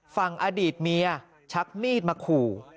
ฝั่งอดีตเมียชักมีดมาขู่